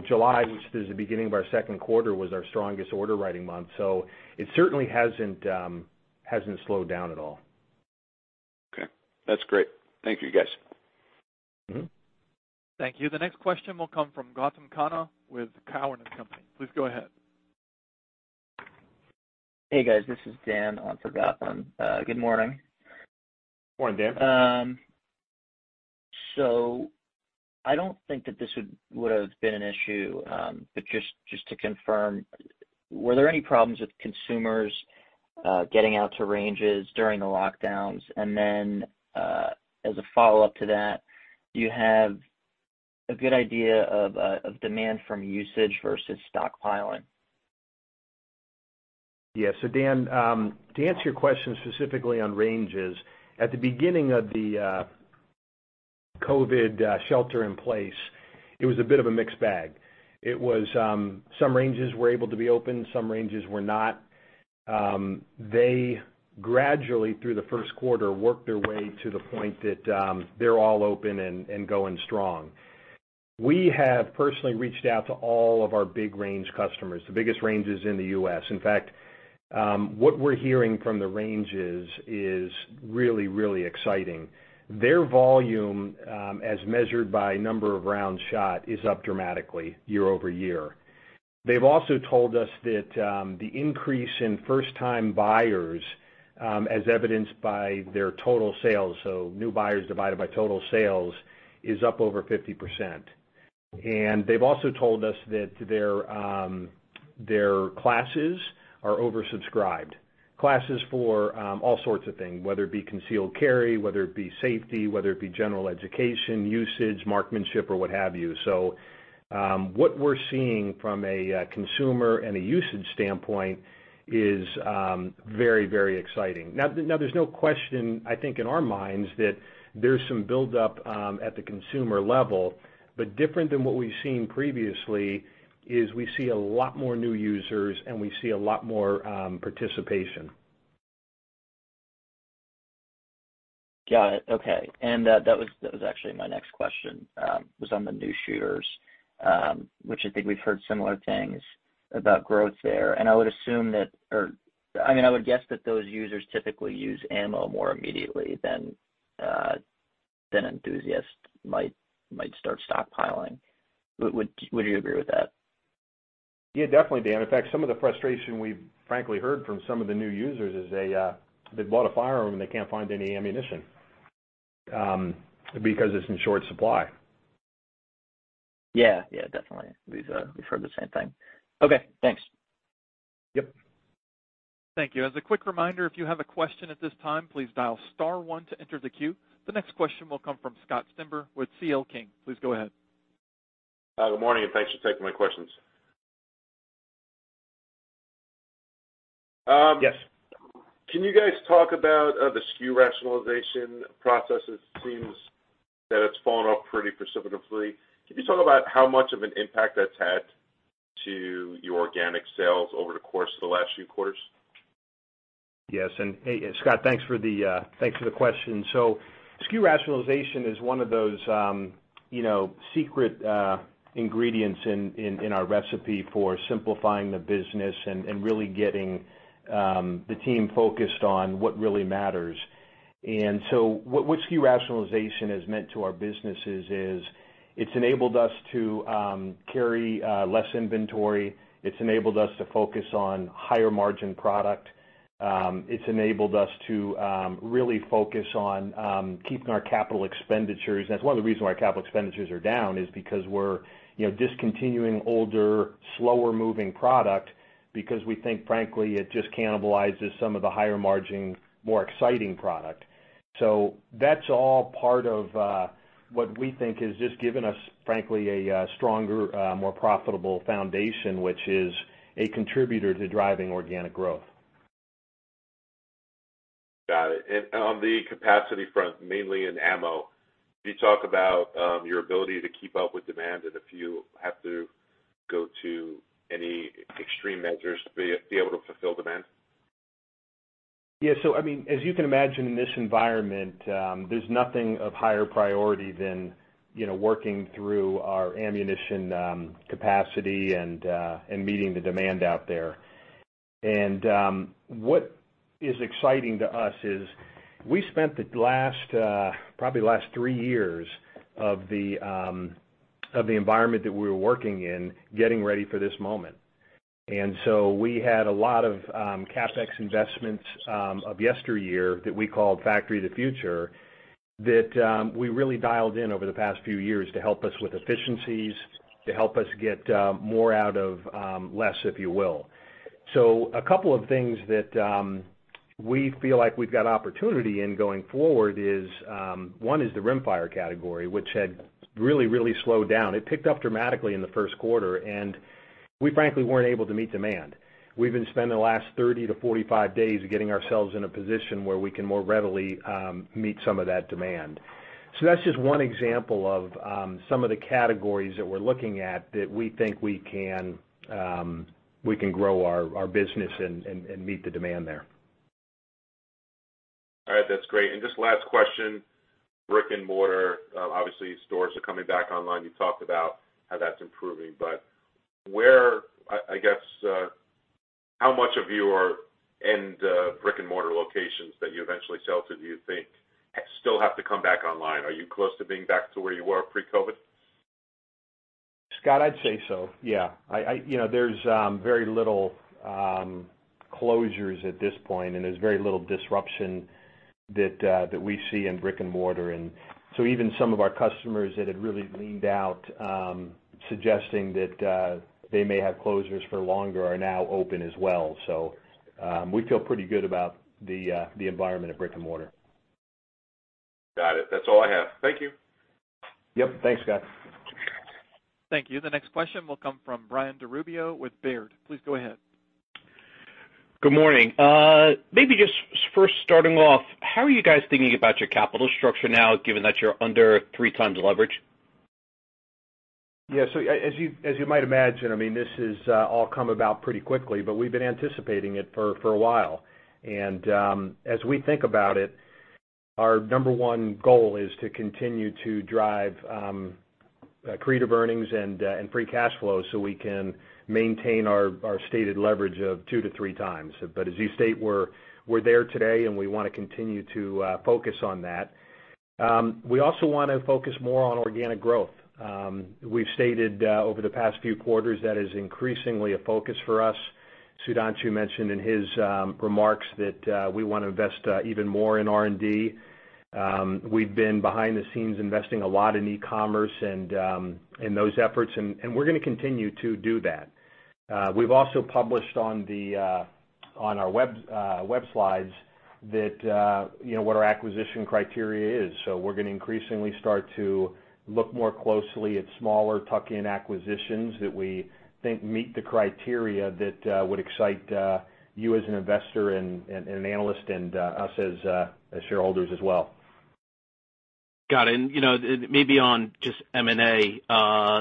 July, which is the beginning of our second quarter, was our strongest order writing month, so it certainly hasn't slowed down at all. Okay. That's great. Thank you, guys. Thank you. The next question will come from Gautam Khanna with Cowen and Company. Please go ahead. Hey, guys, this is Dan on for Gautam. Good morning. Morning, Dan. I don't think that this would've been an issue, but just to confirm, were there any problems with consumers getting out to ranges during the lockdowns? As a follow-up to that, do you have a good idea of demand from usage versus stockpiling? Dan, to answer your question specifically on ranges, at the beginning of the COVID shelter in place, it was a bit of a mixed bag. It was some ranges were able to be open, some ranges were not. They gradually, through the first quarter, worked their way to the point that they're all open and going strong. We have personally reached out to all of our big range customers, the biggest ranges in the U.S. In fact, what we're hearing from the ranges is really, really exciting. Their volume, as measured by number of rounds shot, is up dramatically year-over-year. They've also told us that the increase in first-time buyers, as evidenced by their total sales, so new buyers divided by total sales, is up over 50%. They've also told us that their classes are oversubscribed, classes for all sorts of things, whether it be concealed carry, whether it be safety, whether it be general education usage, marksmanship, or what have you. What we're seeing from a consumer and a usage standpoint is very exciting. There's no question, I think, in our minds that there's some buildup at the consumer level. Different than what we've seen previously is we see a lot more new users, and we see a lot more participation. Got it. Okay. That was actually my next question, was on the new shooters, which I think we've heard similar things about growth there. I would guess that those users typically use ammo more immediately than enthusiasts might start stockpiling. Would you agree with that? Yeah, definitely, Dan. In fact, some of the frustration we've frankly heard from some of the new users is they've bought a firearm, and they can't find any ammunition, because it's in short supply. Yeah. Definitely. We've heard the same thing. Okay, thanks. Yep. Thank you. As a quick reminder, if you have a question at this time, please dial star one to enter the queue. The next question will come from Scott Stember with CL King. Please go ahead. Good morning. Thanks for taking my questions. Yes. Can you guys talk about the SKU rationalization process? It seems that it's fallen off pretty precipitously. Can you talk about how much of an impact that's had to your organic sales over the course of the last few quarters? Yes. Hey, Scott, thanks for the question. SKU rationalization is one of those secret ingredients in our recipe for simplifying the business and really getting the team focused on what really matters. What SKU rationalization has meant to our businesses is it's enabled us to carry less inventory. It's enabled us to focus on higher-margin product. It's enabled us to really focus on keeping our capital expenditures. That's one of the reasons why our capital expenditures are down is because we're discontinuing older, slower-moving product, because we think, frankly, it just cannibalizes some of the higher-margin, more exciting product. That's all part of what we think has just given us, frankly, a stronger, more profitable foundation, which is a contributor to driving organic growth. Got it. On the capacity front, mainly in ammo, can you talk about your ability to keep up with demand and if you have to go to any extreme measures to be able to fulfill demand? Yeah. As you can imagine, in this environment, there's nothing of higher priority than working through our ammunition capacity and meeting the demand out there. What is exciting to us is we spent probably the last three years of the environment that we were working in, getting ready for this moment. We had a lot of CapEx investments of yesteryear that we called Factory of the Future that we really dialed in over the past few years to help us with efficiencies, to help us get more out of less, if you will. A couple of things that we feel like we've got opportunity in going forward is, one is the rimfire category, which had really slowed down. It picked up dramatically in the first quarter, and we frankly weren't able to meet demand. We've been spending the last 30-45 days getting ourselves in a position where we can more readily meet some of that demand. That's just one example of some of the categories that we're looking at that we think we can grow our business and meet the demand there. All right. That's great. Just last question, brick-and-mortar, obviously, stores are coming back online. You talked about how that's improving. I guess, how much of your end brick-and-mortar locations that you eventually sell to do you think still have to come back online? Are you close to being back to where you were pre-COVID? Scott, I'd say so, yeah. There's very little closures at this point, and there's very little disruption that we see in brick-and-mortar. Even some of our customers that had really leaned out, suggesting that they may have closures for longer, are now open as well. We feel pretty good about the environment of brick-and-mortar. Got it. That's all I have. Thank you. Yep. Thanks, Scott. Thank you. The next question will come from Brian DiRubbio with Baird. Please go ahead. Good morning. Maybe just first starting off, how are you guys thinking about your capital structure now, given that you're under three times leverage? Yeah. As you might imagine, this has all come about pretty quickly, but we've been anticipating it for a while. As we think about it, our number one goal is to continue to drive accretive earnings and free cash flow so we can maintain our stated leverage of 2-3x. As you state, we're there today, and we want to continue to focus on that. We also want to focus more on organic growth. We've stated over the past few quarters, that is increasingly a focus for us. Sudhanshu mentioned in his remarks that we want to invest even more in R&D. We've been behind the scenes investing a lot in e-commerce and those efforts, and we're going to continue to do that. We've also published on our web slides what our acquisition criteria is. We're going to increasingly start to look more closely at smaller tuck-in acquisitions that we think meet the criteria that would excite you as an investor and an analyst and us as shareholders as well. Got it. Maybe on just M&A, there are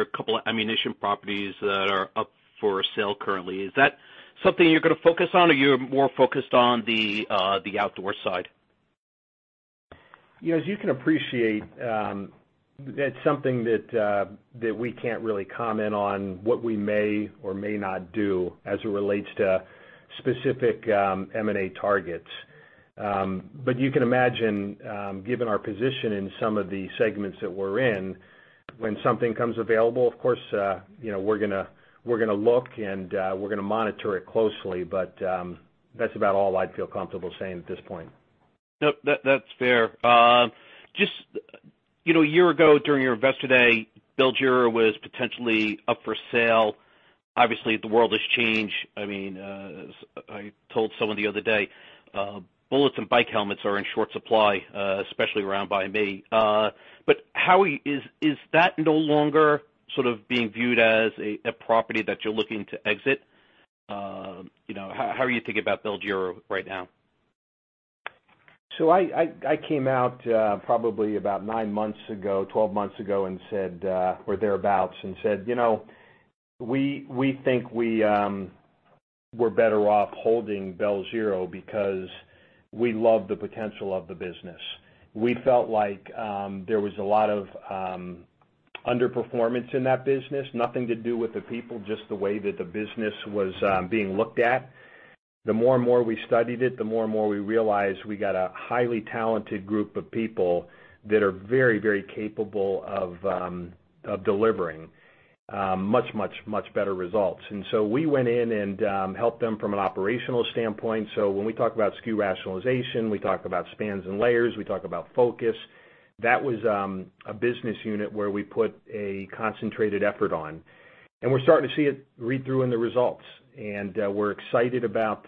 a couple ammunition properties that are up for sale currently. Is that something you're going to focus on, or you're more focused on the outdoor side? As you can appreciate, that's something that we can't really comment on what we may or may not do as it relates to specific M&A targets. You can imagine, given our position in some of the segments that we're in, when something comes available, of course, we're going to look, and we're going to monitor it closely. That's about all I'd feel comfortable saying at this point. Nope. That's fair. Just a year ago, during your Investor Day, Bell-Giro was potentially up for sale. Obviously, the world has changed. I told someone the other day, bullets and bike helmets are in short supply, especially around by me. Howie, is that no longer sort of being viewed as a property that you're looking to exit? How are you thinking about Bell-Giro right now? I came out probably about nine months ago, 12 months ago or thereabouts, and said, "We think we're better off holding Bell-Giro because we love the potential of the business." We felt like there was a lot of underperformance in that business. Nothing to do with the people, just the way that the business was being looked at. The more and more we studied it, the more and more we realized we got a highly talented group of people that are very capable of delivering much better results. We went in and helped them from an operational standpoint. When we talk about SKU rationalization, we talk about spans and layers, we talk about focus. That was a business unit where we put a concentrated effort on, and we're starting to see it read through in the results. We're excited about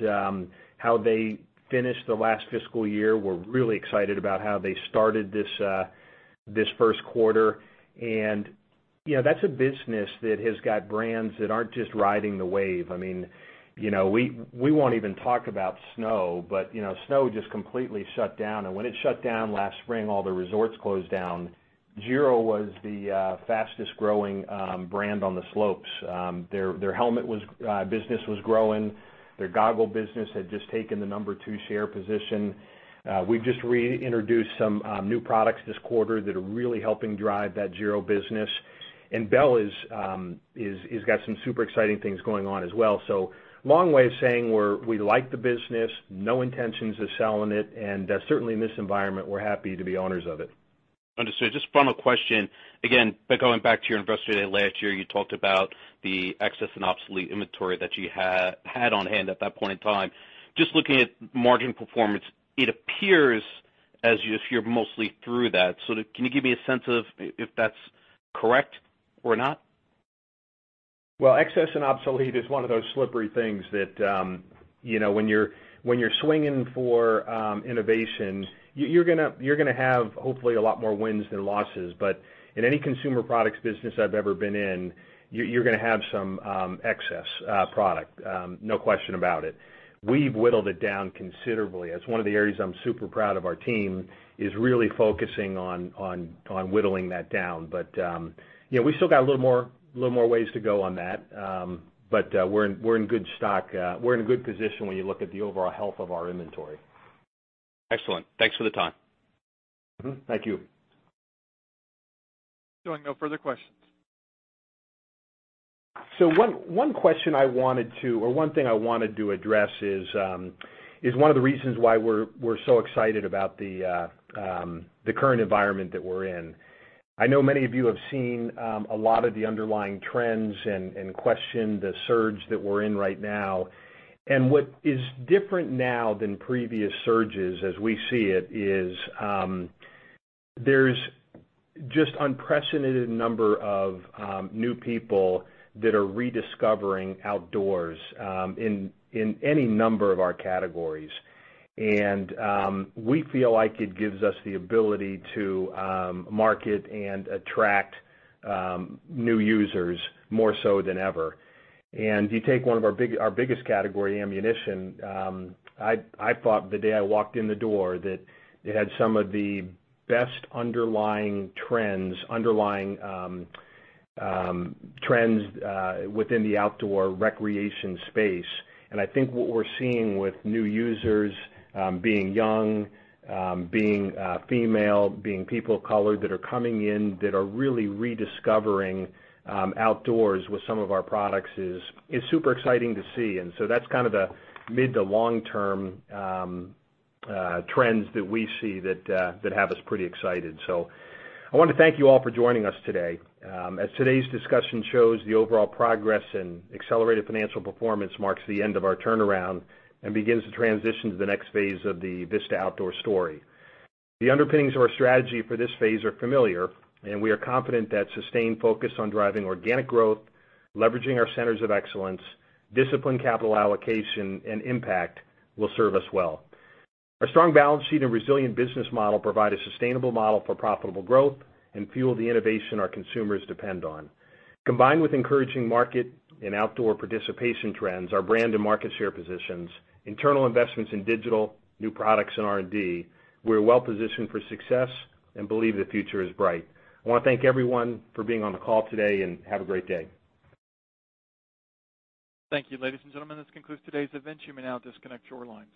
how they finished the last fiscal year. We're really excited about how they started this first quarter. That's a business that has got brands that aren't just riding the wave. We won't even talk about snow, but snow just completely shut down. When it shut down last spring, all the resorts closed down. Giro was the fastest-growing brand on the slopes. Their helmet business was growing. Their goggle business had just taken the number two share position. We've just reintroduced some new products this quarter that are really helping drive that Giro business. Bell has got some super exciting things going on as well. Long way of saying we like the business, no intentions of selling it, and certainly in this environment, we're happy to be owners of it. Understood. Just final question. Again, going back to your Investor Day last year, you talked about the excess and obsolete inventory that you had on hand at that point in time. Just looking at margin performance, it appears as if you're mostly through that. Can you give me a sense of if that's correct or not? Well, excess and obsolete is one of those slippery things that when you're swinging for innovation, you're going to have hopefully a lot more wins than losses. In any consumer products business I've ever been in, you're going to have some excess product, no question about it. We've whittled it down considerably. That's one of the areas I'm super proud of our team, is really focusing on whittling that down. We still got a little more ways to go on that, but we're in good stock. We're in a good position when you look at the overall health of our inventory. Excellent. Thanks for the time. Thank you. No further questions. One thing I wanted to address is one of the reasons why we're so excited about the current environment that we're in. I know many of you have seen a lot of the underlying trends and questioned the surge that we're in right now. What is different now than previous surges, as we see it, is there's just unprecedented number of new people that are rediscovering outdoors in any number of our categories. We feel like it gives us the ability to market and attract new users more so than ever. You take one of our biggest category, ammunition. I thought the day I walked in the door that it had some of the best underlying trends within the outdoor recreation space. I think what we're seeing with new users being young, being female, being people of color that are coming in that are really rediscovering outdoors with some of our products is super exciting to see. That's kind of the mid to long-term trends that we see that have us pretty excited. I want to thank you all for joining us today. As today's discussion shows, the overall progress and accelerated financial performance marks the end of our turnaround and begins to transition to the next phase of the Vista Outdoor story. The underpinnings of our strategy for this phase are familiar, and we are confident that sustained focus on driving organic growth, leveraging our centers of excellence, disciplined capital allocation, and impact will serve us well. Our strong balance sheet and resilient business model provide a sustainable model for profitable growth and fuel the innovation our consumers depend on. Combined with encouraging market and outdoor participation trends, our brand and market share positions, internal investments in digital, new products, and R&D, we're well-positioned for success and believe the future is bright. I want to thank everyone for being on the call today, and have a great day. Thank you, ladies and gentlemen. This concludes today's event. You may now disconnect your lines.